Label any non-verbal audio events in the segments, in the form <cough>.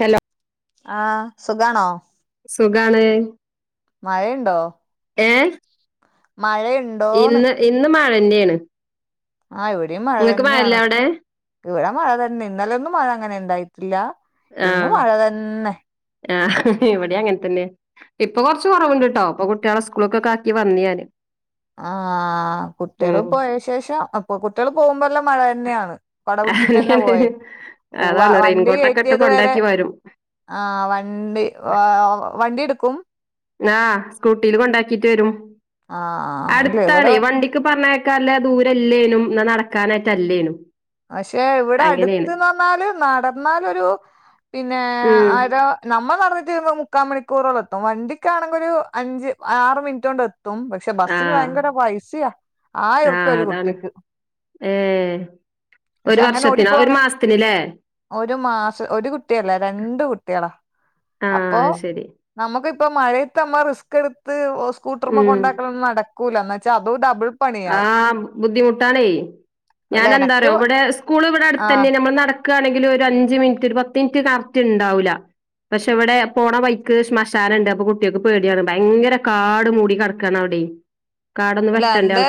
Hello ആഹ് സുഖാണോ? സുഖാണ് മഴെണ്ടോ ഏ മഴയു ഇന്ന് ഇന്ന് മഴന്നേണ്. ആഹ് ഇവിടെയും മഴ തന്നെയാണ്. അവിടെ ഇവിടെ മഴ തന്നെ ഇന്നലേന്നും മഴ അങ്ങനെ ഇണ്ടായിട്ടില്ല ഇന്ന് ആഹ് മഴ തന്നെ. ആഹ് ഇവിടേ അങ്ങനെ തന്നെ ഇപ്പൊ കൊറച്ച് കൊറവിണ്ടിട്ടോ. ഇപ്പൊ കുട്ടികളെ സ്കൂളിക്കൊക്കെ ആക്കി വന്ന് ഞാന്. ആഹ് കുട്ടികള് ഉം പോയ ശേഷം അ പ്പ കുട്ടികള് പോകുമ്പോല്ലാം മഴ തന്നെയാണ് കൊട പിടിച്ചിട്ട് തന്നെ അങ്ങനെയാണ് പോയെ വ വണ്ടികേ ന്നട്ട് കോണ്ടാക്കി വരും. ആഹ് വണ്ടി വാ വണ്ടി എടുക്കും. ആഹ് സ്കൂട്ടീല് കൊണ്ടാക്കിട്ട് വരും. ആഹ് ഇല്ല അടുത്താണേ ഇവിടെ വണ്ടി ക്ക് പറഞ്ഞയക്കാല്ല ദൂരില്ലേനും എന്നാ നടക്കാനായിട്ടല്ലേനും. പക്ഷെ ഇവിടെ അടുത്ത്ന്ന് പറന്നാല് നടന്നാലൊരു പിന്നേ ഉം അര നമ്മ നടന്ന് തീരുമ്പോ മുക്കാ മണിക്കൂറോളം എത്തും. വണ്ടിക്കാണെങ്കി ഒരു അഞ്ച് ആറ് മിനിറ്റ് കൊണ്ടെ ത്തും പക്ഷെ ബസ്സിന് ആഹ് ഭയങ്കര പൈസയാ ആയിരം ഉർപ്യ ആഹ് ഒരു അതാണ് കുട്ടിക്ക്. ഏഹ് ഒരു പക്ഷെ അങ്ങനെ വർഷത്തിന് ഒരു ഓടിപ്പോങ്ങ മാസത്തിനില്ലേ? ഒരു മാസ് ഒരു കുട്ടിയല്ല രണ്ട് കുട്ടികളാ. ആഹ് അപ്പൊ അത് ശരി നമുക്കിപ്പ മഴയത്തമ്മ റിസ്ക്ക് എടുത്ത് സ്കൂട്ടറുമ്മ ഉം കൊണ്ടാ ക്കലൊന്നും നടക്കൂല എന്ന് വെച്ചാ അതു ഡബിൾ പണിയാവും ആഹ് ബുദ്ധിമുട്ടാണേ അല്ല എനക്ക് ഞാനെന്താറിയോ ഇവിടെ സ്കൂൾ ഇവിടെ ആ അടുത്ത് തന്നെ നമ്മള് നട ക്കാണെങ്കില് ഒരഞ്ച് മിനിറ്റ് ഒരു പത്ത് മിനിറ്റ് കറക്റ്റ് എണ്ടാവൂല്ല. പക്ഷെ ഇവിടെ പോണ വൈക്ക് ശ്മശാനെണ്ട് അപ്പൊ കുട്ടികക്ക് പേടിയാണ് ഭയങ്കര കാട് മൂടി കെടക്കാണ് അവിടേ. ഉ <unintelligible> ല്ലന്റെ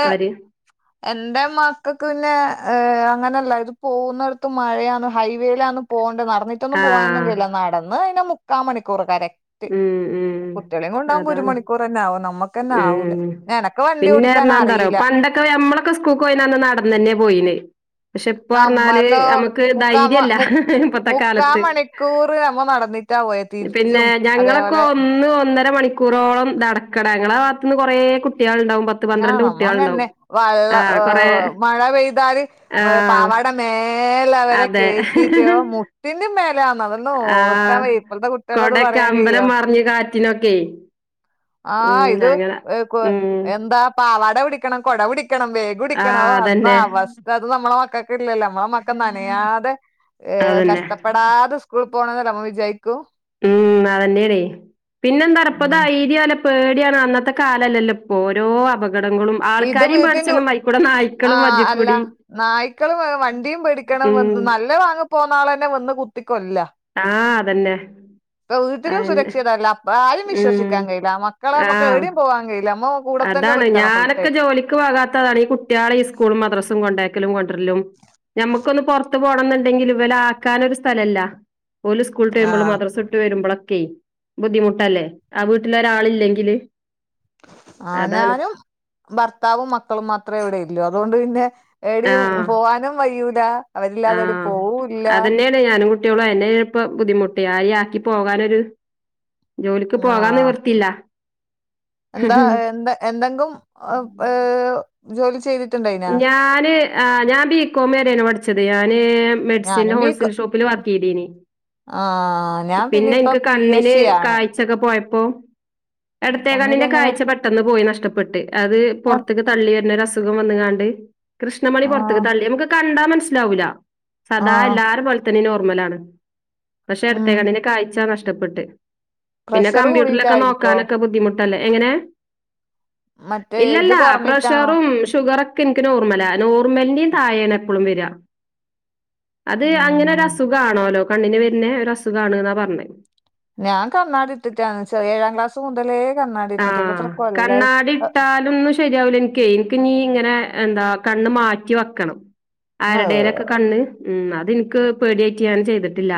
എന്റെ മക്കക്ക് പിന്നെ ഏഹ് അങ്ങനെയല്ല ഇത് പോകുന്നിടത്ത് മഴയാന്ന് ഹൈവേയിലാണ് പോണ്ട് നടന്നിട്ടൊന്നും പോകാനൊന്നും ആഹ് കഴിയില്ല നടന്ന് പിന്നെ മുക്കാ മണിക്കൂറ് കറ ക്റ്റ് ഉം ഉം കുട്ട്യളെയും കൊണ്ടാവുമ്പോ ഒരു അതാണ് മണിക്കൂറന്നെ ആവും നമ്മക്കന്നെ ആവൂല്ല ഉം ഞാന പിന്നെ എന്താന്നറിയോ പണ്ടൊക്കെ ഞമ്മളൊക്കെ സ്കൂ കോയിന്നന്ന് നടന്നന്നെ പോയീന്. നമ്മളോ മുക്കാമ മു ഇപ്പത്തെ മുക്കാ കാലത്ത് മണിക്കൂറ് നമ്മ നടന്നി ട്ടാ പോയെ പിന്നെ തിരിച്ചും. അതേപോലെ ഞങ്ങളൊക്കെ ഒന്ന് ഒന്നര മണിക്കൂറോളം നടക്കട ഞങ്ങളെ ഭാഗത്തൂന്ന് കുറേ കുട്ടികളുണ്ടാവും ആഹ് പന്ത്രണ്ട് നമ്മ കുട്ടികളുണ്ടാവും. അങ്ങനന്നെ വള്ളം ആഹ് കൊറേ ഏഹ് മഴ പെയ്താല് ആഹ് പാവാട മേല വരെ അതെ. കേറ്റീട്ട് ഓഹ് മുട്ടിനും മേലയാന്ന് അതൊന്നും ഓർക്കാൻ ആഹ് വയ്യ ഇപ്പളത്തെ കു ട്ട്യളോട് കൊടയൊക്കെ പറയാൻ അമ്പലം കഴിയോ മറിഞ്ഞ് കാറ്റിനൊക്കെ ആഹ് ഉം ഇത് അങ്ങനെ ഏഹ് കൊ ഉം ബ പാവാട പിടിക്കണം കൊട പിടിക്കണം ബേ ഗ് പിടിക്കണം ആഹ് ഓഹ് അന്ന് അതന്നെ അവസ്ഥ അത് നമ്മളെ മക്ക‌ക്കില്ലല്ല നമ്മളെ മക്ക നനയാതെ. ഏഹ് അതന്നെ കഷ്ടപ്പെടാതെ സ്കൂളി പോണോന്നല്ലെ നമ്മ വിജാരിക്കു. ഉം അതന്നെയടേ പിന്നെന്താറപ്പത ഉം തില പേടിയാണ് അന്നത്തെ കാലല്ലല്ലോ ഓരോ അപക ഇത് വീട്ടിന്റെ നായ്ക്കളും ആഹ അല്ല വജ്ജിക്കൂടി നായ്ക്കളും വണ്ടിയും പേടി ണം ഉം നല്ല വാങ്ങ പോകന്ന ആളന്നെ വന്ന് കുത്തിക്കോല്ല ആഹ് അതന്നെ വീട്ടിലും അതന്നെ. സുരക്ഷിതല്ല ആരെയും ഉം വിശ്വസിക്കാൻ കഴയില്ല മക്കളെ നമ്മുക്ക് ആഹ് ഏവിടെയും പോവാൻ കഴയില്ല അമ്മ അതാണ് ഞാനൊക്കെ ജോലിക്ക് പോകാത്തതാണ് ഈ കുട്ടികളെ ഈ സ്കൂളും മദ്രാസും കൊണ്ട <unintelligible> നമ്മുക്കൊന്ന് പുറത്ത് പോകണം എന്നുണ്ടെങ്കിൽ ഇവല ആക്കാനൊ ഒരു സ്ഥലം ഇല്ല പോലും സ്കൂളിട്ട വരുമ്പോൾും ആഹ് മദ്രസട്ട് വരുമ്പോഴൊക്കെ ബുദ്ധിമുട്ടല്ലേ ആ വീട്ടിൽ ഒരാളില്ലെങ്കില് ആ ഞാനും ഭർത്താവും മക്കളും മാത്രേ ഇവിടെ ഇല്ലൂ അതുകൊണ്ട് പിന്നെ എടയും ആഹ് പോവാനും വയ്യൂല അവരില്ലാതെ ആഹ് പോവൂല്ല അതന്നേണ് ഞാനും കുട്ടിയള്ളൂ എന്നെ ഇപ്പ ബുദ്ധിമുട്ടേ ആരെ ആക്കി പോകാനൊരു ജോലിക്ക് പോകാൻ ആഹ് നിവർത്തിയില്ല എന്താ എന്താ എന്തെങ്ങും ഏ ജോലി ചെയ്തി ഞാന് ആ ഞാൻ ബികോം വരെയാണ് പഠിച്ചത് ഞാന് മെഡിസിന്റെ ഹോൾസെൽ ഷോപ്പിൽ വർക്ക് ചെയ്തേനി ആ ഞാൻ പിന്നെ ഇപ്പ പി എസ് കണ്ണിന് സി ആണ് <unintelligible> പോയപ്പോ എടത്തേകണ്ണിന്റെ കണ്ണിലെങ്ങനെ കാഴ്ച പെട്ടെന്ന് പോയി നഷ്ടപ്പെട്ട് അത് ആഹ് പുറത്ത തള്ളി എന്നൊരു അസുഖം വന്ന കാണ്ട് കൃഷ്ണമണി പുറത്തക്ക് തള്ളി നമുക്ക് കണ്ടാൻ മനസ്സിലാവൂില്ല സദാ ആഹ് എല്ലാരും പോലെത്തന്നെ നോർമൽ ആണ് പക്ഷെ ഇടത്തേ ഉം കണ്ണിന്റെ കാഴ്ച നഷ്ടപ്പെട്ട് പിന്നെ പ്രഷർ കമ്പ്യൂട്ടറിലൊക്കെ കൂടിട്ടായിരിക്കോ നോക്കാനൊക്കെ ബുദ്ധിമുട്ട് <unintelligible> എങ്ങനെ മറ്റേ ഇല്ല ഇല്ല ഇത് കുറഞ്ഞിട്ടാണോ പ്രഷറും ഷുഗറും എനിക്ക് നോർമല നോർമലന്റെയും തായേന എപ്പോളും വരി അത് അങ്ങനെ ഉം അസുഖമാണോല്ലോ കണ്ണിന് വരുന്നെ ഒരു അസുഖ ആണ് എന്നാ പറഞ്ഞത് ഞാൻ കണ്ണാടി ഇട്ടിട്ടാ ഏഴാം ക്ലാസ് മുതലേ കണ്ണാടി ആ ഇട്ടിട്ട് ഇപ്പ എത്ര കൊല്ലായി കണ്ണാടി അഹ് ഇട്ടാലും ശരിയാവല എനിക്ക് എനിക്ക് നീ ഇങ്ങനെ എന്താ കണ്ണ് മാറ്റി വെക്കണം മ് ആരുടേരൊക്കെ കണ്ണ് ഉ അതെനിക്ക് പേടിയായിട്ട് ഞൻ ചെയ്തിട്ടില്ല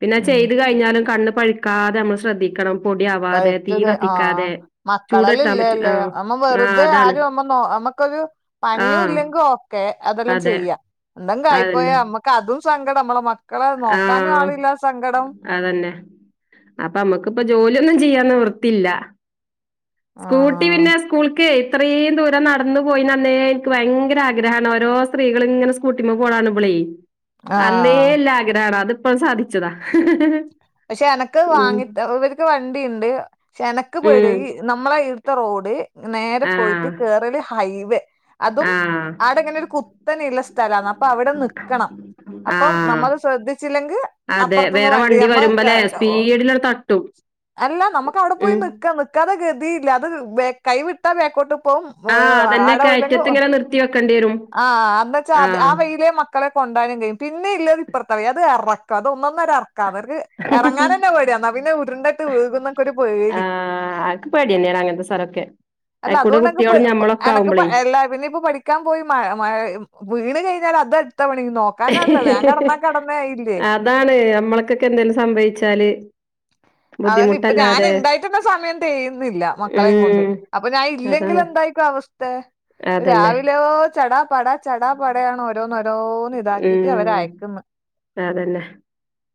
പിന്നെ ഉം ചെയ്ത് കഴിഞ്ഞാലും കണ്ണ് പഴുക്കാതെ നമ്മൾ ശ്രദ്ധിക്കണം പൊടി ആവാതെ തീ കത്തി ആ മക്കളെല്ലാം ഇല്ലേല്ലേ നമ്മ ആഹ് വെറുതെ അതാണ് ആര അമ്മ അമ്മക്കൊരു പണിയും ആഹ് ഇല്ലെങ്കും ഒക്കെ അതെല്ലാം അതെ ചെയ്യാം എന്തെങ്കും അതന്നെ ആയിപ്പോയാ നമ്മക്ക് അതും സങ്കടം നമ്മളെ മക്കളെ നോക്കാനും ആഹ് ആളില്ല സങ്കടം അതന്നെ അപ്പൊ നമ്മുക്കിപ്പ ജോലിയൊന്നും ചെയ്യാൻ നിവൃത്തിയില്ല സ്കൂട്ടി ആഹ് പിന്നെ സ്കൂൾക്ക് ഇത്രയും ദൂരം നടന്നു പോയിന്നേ എനിക്ക് ഭയങ്കര ആഗ്രഹമാണ് ഓരോ സ്ത്രീകൾ ഇങ്ങനെ സ്കൂട്ടി <unintelligible> അന്നേ ആഹ് എല്ല ആഗ്രഹമാണ് അതിപ്പോഴ സാധിച്ചതാ പക്ഷെ എനക്ക് ഉം വാങ്ങിട്ട് ഇവർക്ക് വണ്ടിയുണ്ട് എനക്ക് പെടി ഉം നമ്മള ഇടുത്തെ റോഡ് നേരെ പോയിട്ട് ആഹ് കേറൽ ഹൈവേ അതും ആഹ് ആടങ്ങനെ ഒരു കുത്തനെയള്ള സ്ഥലന്ന് അപ്പൊ അവിടെ നിക്കണം അപ്പം ആഹ് നമ്മള് ശ്രദ്ധിച്ചില്ലെങ്കിൽ അപ്പുറത്തന്ന് വണ്ടി <unintelligible> അല്ലെ സ്പീഡിലതു തട്ടും അല്ല നമുക്ക് അവിടെ പോയി ഉം നിക്കാ നിക്കാതെ ഗതിയില്ല അത് കൈ വിട്ടാ ബേക്കോട്ട് പോവും ആഹ് അതന്നെെ ആടെ പോയില്ലെങ്കിൽ കയറ്റത്തി ഇങ്ങനെ നിർത്തി വെക്കേണ്ടി വരും ആഹ് ആഹ് <unintelligible> മക്കളെ കൊണ്ടാനും <unintelligible> പിന്ന ഇല്ലത് ഇപ്പുറത്തെറ അത് ഇറക്കാം അത് ഒന്നരെ ഇറക്കാം അവക്ക് ഇറങ്ങാനന്നെ പേടിയാ എന്നാൽ പിന്നെ ഉരുണ്ടിട്ട് വീകുന്നൊക്കെ ഒരു പേടി <unintelligible> തന്നെയാണ് അങ്ങനത്തെ സ്ഥലൊക്കെ അല്ല അയിക്കൂടെ അതുകൊണ്ട് അനക്ക് പേ കുട്ടികളും മ്മളൊക്കെ എനക്ക് ആകുമ്പളേ എല്ലാ പിന്നെ ഇപ്പൊ പഠിക്കാൻ പോയി <unintelligible> വീണ് കഴിഞ്ഞാൽ അത് അല്ല പണി നോക്കാനല്ലല്ലോ ഞാൻ കിടന്നാ കിടന്നയില്ലേ അതാണ് നമ്മളക്കൊക്കെ എന്തേങ്കിലും സംഭവിച്ചാല് അതന്നെ ഇപ്പൊ ഞാൻ ബുദ്ധിമുട്ടല്ലാതെ ഉണ്ടായിട്ടുള്ള സമയം ചെയ്യുന്നില്ല മക്കളെയും കൊണ്ട് ഉം അപ്പൊ ഞാൻ ഇല്ലെങ്കിൽ അതാണ് എന്തായിക്കും അവസ്ഥ അതന്നെ രാവിലൊ ചടാ പടാ ചടാ പടയാണ് ഓരോന്ന് ഓരോന്ന് ഇതാക്കിയിട്ട് അവര് ഉം അയക്കുന്നു അതന്നെ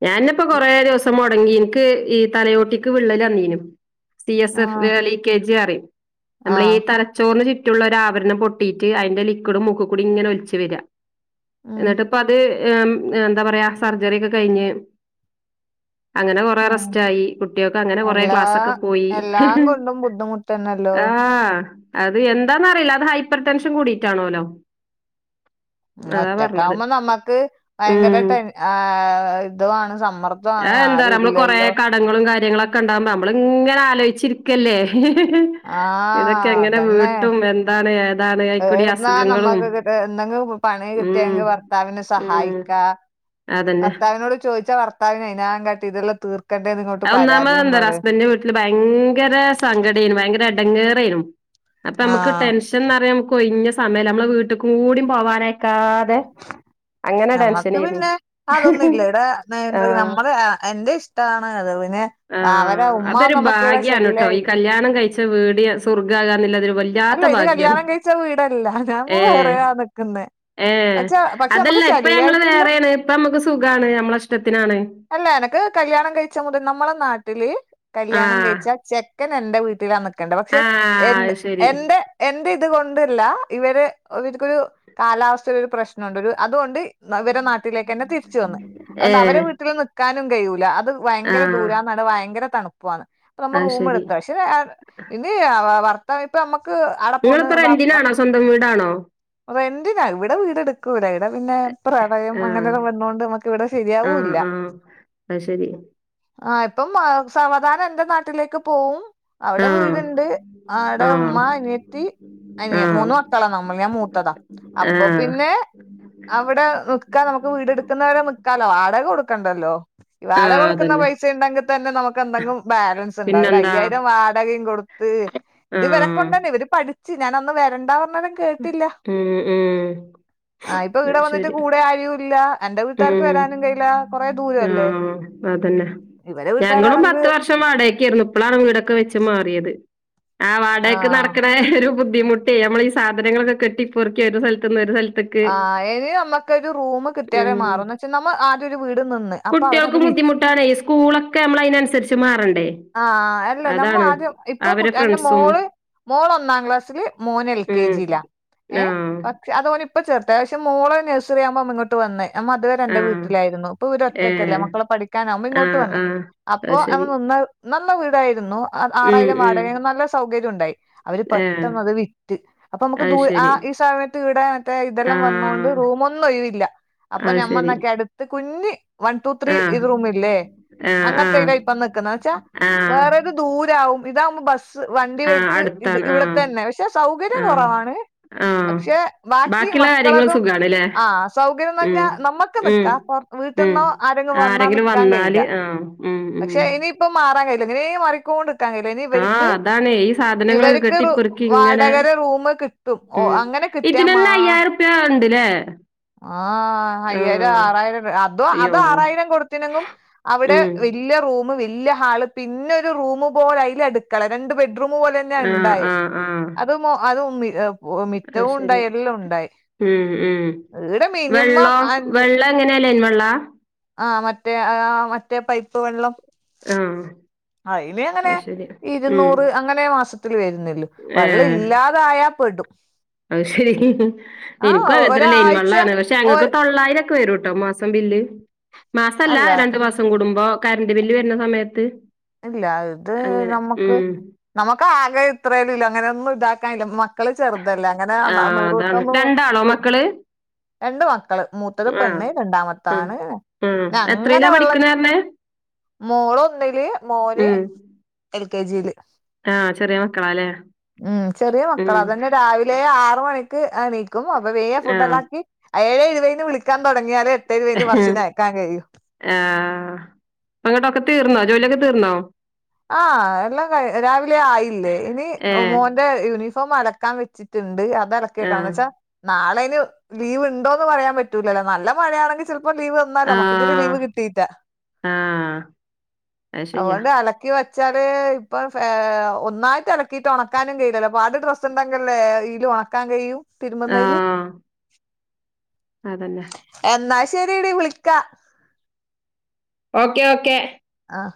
ഞാനന്നേപ്പോൊ കൊറേ ദിവസം മുടങ്ങി എനിക്ക് ഈ തലയോട്ടിക്ക് വിള്ളൽ അന്നീനും സി എസ് എഫ് ആഹ് ലീക്കേജി അറും നമ്മൾ ഈ ആഹ് തര ചോർന്ന് ചുറ്റുള്ള ഒരു ആവരണം പൊട്ടിട്ട് അതിന്റെ ലിക്വിഡും മുക്ക കൂടി ഇങ്ങനെ ഒലിച്ച് വരിക ഉം എന്നിട്ട് ഇപ്പ അത് എന്താ പറയാ സർജറി ഒക്കെ കഴിഞ്ഞ് അങ്ങനെ കൊറെേ ആഹ് റസ്റ്റായി കുട്ടികക്കെ അങ്ങനെ കൊറെ എല്ലാ ക്ലാസ്സൊക്കെ പോയി ന്നല്ല ആ അത് എന്താന്ന അറിയില്ല അത് ഹൈപ്പർ ടെൻഷൻ കൂടിയിട്ടാണോല്ലോ ഒറ്റക്കകുമ്പോ നമ്മക്ക് ഭയങ്കര ഉം ടെൻ ആ ഇതുാണ് സമ്മർദ്ദ ആഹ്ന്താ അറിയോ നമ്മള് കുറേ കടങ്ങളും കാര്യങ്ങളും ഒക്കെ ഉണ്ടാവകുമ്പോ നമ്മളി ഇങ്ങനെ ആലോചിച്ചിരിക്കല്ലേ ആ ഇതൊക്കെ എങ്ങനെ അതന്നെ വീട്ടും എന്താണ് ഏതാണ് അയിക്കൂടി എടുന്നാ അസുഖങ്ങളും നമ്മുക്ക് കി എന്തെങ്കിലും പണി ഉം കിട്ടിയെങ്കിൽ പറഞ്ഞ് ഭർത്താവിനെ ഉം സഹായിക്ക അതന്നെ ഭർത്താവിനോട് ചോദിച്ചാ ഭർത്താവിന ഇതിനാംകട്ടി ഇതുള്ള തീർ പക്കണ്ടേ ഇങ്ങോട്ട് അത് ഒന്നാമത് പരാതിയും പറ എന്താറിയോ ഹസ്ബൻഡിന്റെ വീട്ടില് ഭയങ്കര സങ്കടെന്നു ഭയങ്കര ഇടങ്ങേരെ ണു നക്ക് ടെ ആഹ് പക്ഷന്നറിയ നമക്ക് കൊയിഞ്ഞ സമയം നമ്മളെ വീട്ടുക്കും കൂടി പോവാനക്കാതെ നമ്മക്ക് പിന്നെ അതൊന്നുംല്ല ഇടെ എന്ത ആഹ് നമ്മള എന്റെ ഇശ് ഇണ അത് പിന്നെ അവരെ ഉമ്മ ആഅതൊരു നമ്മക്കിവിടെ ഭാഗ്യണട്ടോ ഈ ശല്യായി കല്യാണം കഴിച്ച വീട സ്വർഗ്ഗമാകാന്നില്ലതൊരു വല്യ അല്ല ഇത് കല്യാണം കഴിച്ച വീടല്ല ഞാൻ വേറെയാ നിക്കുന്നേ ഏ അതല്ല ഇപ്പൊ ഞങ്ങള് വേറെയാണ് ഇപ്പ നമ്മുക്ക് സുഖമാണ് നമ്മളെ ഇഷ്ടത്തിനാണ് അല്ല എനക്ക് കല്യാണം കഴിച്ച മുതൽ നമ്മളെ നാട്ടില് കല്യാണം ആഹ് കഴിച്ചാൽചെ ഞാൻഎന്റെ വീട്ടിലാ നിക്കണ്ട പക്ഷെ ആഹ് അത് ശരി. എഎന്റെ എന്റെ ഇത് കൊണ്ടല്ല ഇവര് ഇവർക്കൊരു കാലാവസ്ഥയുടെ ഒരു പ്രശ്നമുണ്ട് ഒരു അതുകൊണ്ട് ഇവര് നാട്ടിലേക്ക്ന്നെ തിരിച്ച വന്ന് അതുകൊണ്ട് അവരെ ഏഹ് വീട്ടിൽ നിക്കാനും കഴിയൂല്ല അത് ഭയങ്കര ആഹ് ദൂരന്നാണ് ഭയങ്കര തണുപ്പ പോവാണ് അത് ശരി. നമ്മള്റൂമ്എടുത്ത പക്ഷെ പിന്നെ വർത്തം ഇപ്പ നമ്മക്ക് ങ്ങളിപ്പോ റന്റിനാണോ സ്വന്തം വീടാണോ റന്റിനാ ഇവിടെ വീട്എടുക്കൂല ഇവിടെ പിന്നെ പ്രളയം ആഹ് അങ്ങനെല്ലം വന്നൊണ്ട് ഇവിടെ ശരിയാവൂല്ല അയ്ശരി ആ ഇപ്പം സമാധാനം എന്റെ നാട്ടിലേക്ക് പോവും അവിടെ ആഹ് വീടുണ്ട് ആ അവടെ ആഹ് ഉമ്മ അനിയത്തി അനിയൻ ആഹ് മൂന്ന് മക്കളാ നമ്മൾ ഞാൻ മൂത്തതാ അപ്പൊ ആഹ് പിന്നെ അവിടെ നിക്ക നമുക്ക് വീട എടുക്കുന്നത്‌വരെ നിക്കാലോ വാടക കൊടുക്കണ്ടല്ലോ ആഹ് വാടകകൊടുക്കുന്ന അതന്നെ. പൈസ ണ്ടെങ്കിൽ തന്നെ നമുക്ക് എന്തെങ്കിലും ബാലൻസ് പിന്നെന്താ ഉണ്ടോഅയ്യായിരം വാടകയും കൊടുത്ത് ഇത് ആഹ് വരെക്കൊണ്ടന്നെ ഇവര് പഠി ചി നാൻ അന്ന് വരണ്ടാ പറഞ്ഞ ഉം ഉം ആ ഇപ്പൊ ഇവിടെ അത് വന്നിട്ട് ശരി. കൂടെ ആരു ഇല്ല എന്റെ വീട്ടാർക്ക് ഉം വരാനും കഴയില കൊറെേ ദൂര അല്ലെ ആഹ് അതന്നെ ഞങ്ങളും പത്ത് വർഷം വാടകക്കേര്ന്നു ഇപ്പളാണ് വീടൊക്കെ വെച്ച് മാറിയത് ആ വാടകക്ക് നടക്കണ ഒരു ബുദ്ധിമുട്ടേ നമ്മൾ സാധനങ്ങളൊക്കെ കെട്ടി പൊർക്കി ഒരു സ്ഥലത്ത്ന്ന് ഒര് ആഹ് ഇനി നമക്ക് ഒരു റുമ്കിട്ടിയാൽ ഉം മാറും എന്താന്ന് വച്ചാ നമ്മ ആദ്യ ഒരു വീട് നിന്ന് അപ്പൊ അവര് അത് ബുദ്ധിമുട്ടാണ്സ്കൂൾ ഒക്കെ മ്മള് അയ്നൻസരിച്ച് മാറണ്ടേ ആഹ അല്ലേ നമ്മ അതാണ് ആദ്യം ഇപ്പൊ അവരെ എന്റെ ഫ്രണ്ട്സും മോള് മോള് ഒന്നാം ക്ലാസ്സില് മോന് എൽ കെ ഉം ജി ലാഏ ആഹ് പക്ഷ അതപോലെ ഇപ്പൊ ചേർത്ത പക്ഷെ മോള് നഴ്സറി ആവുമ്പോ ഇങ്ങോട്ട് ഇങ്ങട്ട്‌വന്ന് അമ്മ അതുവരെ എന്റെ ആഹ് വീട്ടിലായിരുന്നു ഇപ്പ ഇവര് ഒറ്റക്കല്ല ഏഹ് മക്കളെ പഠിക്കാനാവുമ്മ ആഹ് ഇങ്ങോട്ട്‌വന്ന് ആഹ് അത് അപ്പോഅവ നി ശരി നാ ഒന്ന് നല്ല വീടായിരുന്നു ഉം ആറായിരം ഉം വാടക നല്ല സൗകര്യം ഉണ്ടായി അവര് ഏഹ് പെട്ടെന്ന് അത് വിറ്റ് അപ്പൊ നമുക്ക് അത് ദൂ ആ ശരി ഈ സമയത്ത് ഇടെ മറ്റേ ഇതെല്ലാം വന്നൊണ്ട് ആഹ് റൂമോന്നും ഒഴിവില്ല അപ്പൊ അത് ശരി ഞമ്മന്നൊക്കെ അടുത്ത് കുഞ്ഞ് വൺ ടു ആ. ത്രീ ഇത് റൂമില്ലേ ആ ആ. അങ്ങനത്തെത ഇപ്പം നിക്കുന്ന വെച്ച ആ. വേറെത് ദൂരാവും ഇതാവുമ്പോ ബസ് വണ്ടി ആ. വരുത്ത് ഇത് അടുത്താണ്. ആ. ഇവിടെ തന്നെ പക്ഷെ സൗകര്യം ആ. കുറവാണ് ആ. പക്ഷെ ബാക്കി ബാക്കിയുള്ള കാര്യങ്ങള് മക്കളതും സുഖാണ്ല്ലേ? ആ സൗകര്യം ഉം. തന്നേ നമ്മുക്ക് ഉം. നിക്കാ പുറ ഉം. വീട്ടിന്നോ ആരങ്ങും വന്നാ ആരെങ്കിലും നിക്കാൻ വന്നാല് കയില്ല ആ. ഉം. ഉം. പക്ഷെ ഇനിയിപ്പം മാറാൻ കഴയില്ല ഇങ്ങനെ മാറിക്കൊണ്ട് ആ ഇവർക്ക് അതാണേ ഈ സാധനങ്ങളൊക്കെ ഇവർക്ക് കെട്ടിപ്പെറുക്കി ഇങ്ങനെ വാടകര റൂം കി തും ഓ അങ്ങനെ കിട്ടാ മാ ജാട്ണ്ട്ലേ ആഹ് അയ്യായിരം ആറായിരാെക്കെ അതു അയ്യോ! അതും ആറായിരം കൊട്ത്തിനെങ്ങും അവിടെ ഉം. വെൽ വല്യ റുമ് വല്യ ഹാള് പിന്നെ ഒരു റൂമ് പോലെ അയ്ൽ അടുക്കളരണ്ട് ബെഡ്റൂം പോലെ ആ പിന്നെണ്ടായി ആ അത് അത് ഉമി അത്ശരി ഉം ഉം ഈടെ മിനിമം വെള്ളോ വെള്ള ങ്ങനെ ലൈൻ വെള്ളാ ആ മറ്റേ ആ മറ്റേ പൈപ്പ് വള്ളം ഉം ആ ഇനി അങ്ങനെ ഉം. ഇരുന്നൂറ് അങ്ങനെ മാസത്തിൽ വരുന്നള്ളു വള്ളം ഏഹ് ഇല്ലാത യാപ്പെടും അത് ശെരി ഇന്ക്കും അതെ ത്രെ ലെയ്ൻ ഒരാഴ്ച വള്ളാണ് പക്ഷെ ഒ ഞങ്ങക്ക്‌ തൊള്ളായിരൊക്കെ വെരൂട്ടോ മാസ് മാസം ബില്ല് മാസല്ല അല്ല രണ്ടു മാസം കൂടുമ്പോ കറന്റ് ബില്ല് വരുന്ന സമയത്ത് ഇല്ല അത് അങ്ങനെ നമ്മക്ക് ഉം. നമ്മക്ക് ആകെ ഇത്രോലല്ല അങ്ങനൊന്നും ഇതാക്കാനില്ലമ്മ മക്കള് ചെറുതല്ലേ അങ്ങനെ ആഹ് നൂറ് അതാണ്. വട്ടൊന്നും രണ്ടാളോ <unintelligible> മക്കള്? രണ്ട് മക്കള്. മൂത്തത് ആഹ് പെണ്ണ് ഉം. രണ്ടാമത്താണ്. ഉം ന്നെ ങ്ങനെ എത്രയിലാ വെള്ളം പഠിക്കണേർഞ്ഞേ? മോളൊന്നില് മോന് ഉം എൽ കെ ജിയില് ആഹ് ചെറിയ മക്കളാല്ലേ. ഉം.. ചെറിയ മക്കള ഉം അതന്നെ രാവിലെ ആറു മണി ക്ക് എണീക്കും. അപ്പൊ വേ ഫുഡ് ആഹ് എല്ലാക്കി, ഏഴേ ഇരുവയിന് വിളിക്കാൻ തൊടങ്ങിയാൽ എ <unintelligible> എന്റെ വസ്സിനയക്കാൻ കയ്യൂ ആഹ ങ്ങട്ടൊക്കെ തീർന്നോ ജോലിയൊക്കെ തീർന്നോ? ആഹ് എല്ലാം ക രാവിലെ ആയില്ലേ ഇനി ഏഹ് മോന്റെ യൂണിഫോം അലക്കാൻ വെച്ച് ണ്ട് അതെർക്കി വെക്കണം ആഹ് എന്താച്ചാ നാളെ അയിന് ലീവ് ഇണ്ടോ എന്ന് പറയാൻ പറ്റൂലല്ലോ നല്ല മഴയാണെങ്കിൽ ചെലപ്പോ ലീവ് ന്നാ നമ്മക്ക് ഇതു വരേം ആഹ് ലീവ് കിട്ടീറ്റാ ആഹ് അത് ശരിയാ. അതൊണ്ട് അല വെച്ചാല് ഇപ്പ ഒന്നായിട്ട് അ ലക്കിയിട്ട് ഉണക്കാനും കയിയി ല്ല പാട് ഡ്രസ്സ്‌ <unintelligible> ഇതില് ഒണക്കാൻ കഴിയും തിരുമ്പുന്നതില് ആഹ് അതന്നെ എന്നാ ശരിടി വിളിക്കാ ഓക്കെ ഓക്കെ ആഹ്